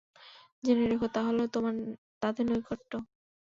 জেনে রেখো, তা হল তাদের নৈকট্য।